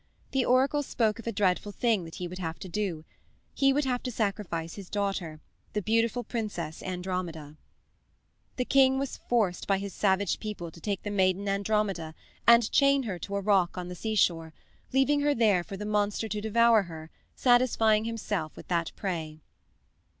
The oracle spoke of a dreadful thing that he would have to do he would have to sacrifice his daughter, the beautiful Princess Andromeda. The king was forced by his savage people to take the maiden Andromeda and chain her to a rock on the seashore, leaving her there for the monster to devour her, satisfying himself with that prey.